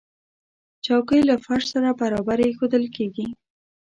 چوکۍ له فرش سره برابرې ایښودل کېږي.